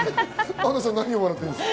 アンナさん、何笑ってるんですか？